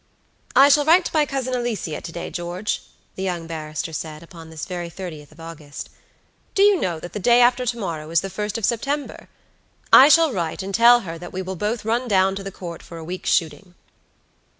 "I shall write to my cousin Alicia to day, George," the young barrister said, upon this very 30th of August. "Do you know that the day after to morrow is the 1st of September? I shall write and tell her that we will both run down to the Court for a week's shooting."